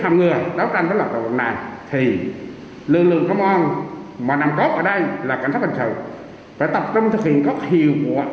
mà nằm góp ở đây là cảnh sát bình thường phải tập trung thực hiện các hiệu quả